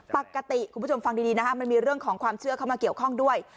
คุณผู้ชมฟังดีนะฮะมันมีเรื่องของความเชื่อเข้ามาเกี่ยวข้องด้วย